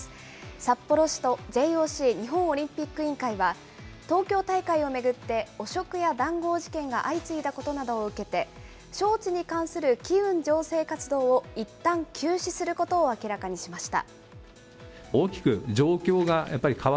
札幌市とＪＯＣ・日本オリンピック委員会は、東京大会を巡って汚職や談合事件が相次いだことなどを受けて、招致に関する機運醸成活動をいったん休止することを明らかにしました。